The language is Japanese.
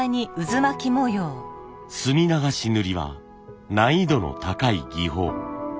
墨流し塗は難易度の高い技法。